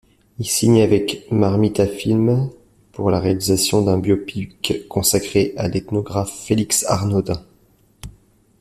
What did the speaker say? Il signe avec Marmitafilms pour la réalisation d'un biopic consacré à l’ethnographe Félix Arnaudin.